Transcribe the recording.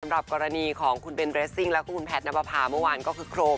สำหรับกรณีของคุณเบนเรสซิ่งและคุณแพทย์นับประพาเมื่อวานก็คือโครง